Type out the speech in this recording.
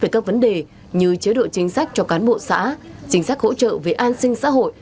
chính sách hỗ trợ về an sinh xã hội